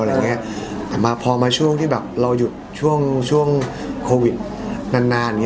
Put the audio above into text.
อะไรอย่างเงี้ยแต่พอมาช่วงที่แบบเราอยู่ช่วงโควิดนาน